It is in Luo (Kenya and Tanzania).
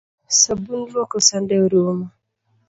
Sabun luoko sande orumo